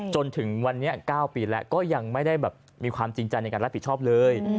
จนถึงวันนี้๙ปีแล้วก็ยังไม่ได้แบบมีความจริงใจในการรับผิดชอบเลย